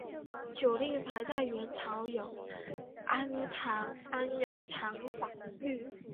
酒令牌在元朝有安雅堂觥律。